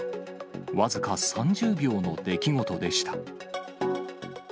僅か３０秒の出来事でした。